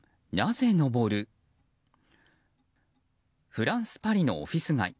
フランス・パリのオフィス街。